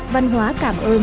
văn hóa cảm ơn